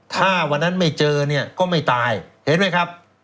ถ้าวันนั้นไม่เจอเนี่ยก็ไม่ตายเห็นไหมครับ